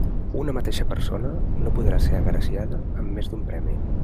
Una mateixa persona no podrà ser agraciada amb més d'un premi.